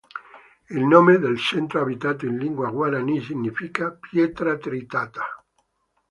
Il nome del centro abitato in lingua guaraní significa “pietra tritata”.